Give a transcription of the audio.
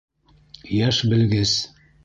Йәш белгес!